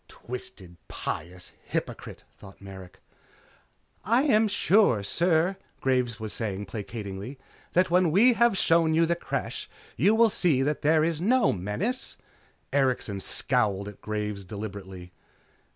Twisted, pious, hypocrite! thought Merrick. "I am sure, sir," Graves was saying placatingly, "that when we have shown you the Creche you will see that there is no menace." Erikson scowled at Graves deliberately.